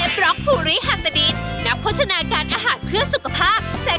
โปรดติดตามตอนต่อไป